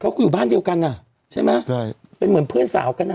ก็คืออยู่บ้านเดียวกันอ่ะใช่ไหมใช่เป็นเหมือนเพื่อนสาวกันอ่ะ